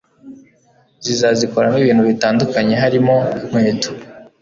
zikazikoramo ibintu bitandukanye harimo, inkweto,